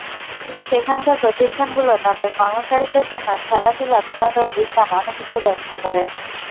সেখানকার প্রতিষ্ঠানগুলো তাদের কর্মচারীদের জন্য খেলাধুলা, বিনোদন, বিশ্রাম—অনেক কিছুর ব্যবস্থা করে।